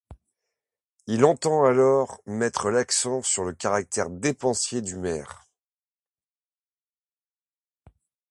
Il entend alors mettre l'accent sur le caractère dépensier du maire.